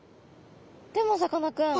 でもさかなクン。